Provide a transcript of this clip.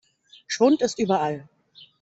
Schwund ist überall.